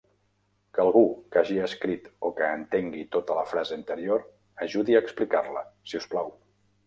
Que algú que hagi escrit o que entengui tota la frase anterior ajudi a explicar-la, si us plau.